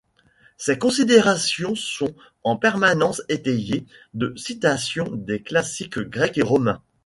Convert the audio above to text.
Ses considérations sont en permanence étayées de citations des classiques grecs et romains.